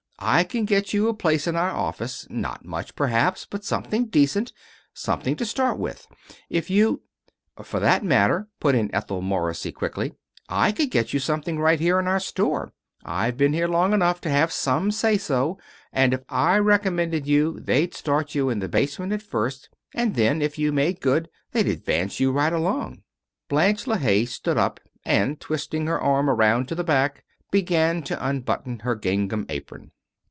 I can get you a place in our office not much, perhaps, but something decent something to start with. If you " "For that matter," put in Ethel Morrissey, quickly, "I could get you something right here in our store. I've been there long enough to have some say so, and if I recommend you they'd start you in the basement at first, and then, if you made good, they advance you right along." Blanche LeHaye stood up and, twisting her arm around at the back, began to unbutton her gingham apron.